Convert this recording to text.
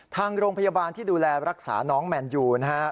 ทางโรงพยาบาลที่ดูแลรักษาน้องแมนยูนะฮะ